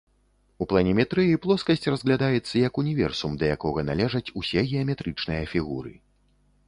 У планіметрыі плоскасць разглядаецца як універсум, да якога належаць усе геаметрычныя фігуры.